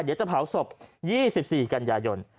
เดี๋ยวจะเผาศพ๒๔กันยายน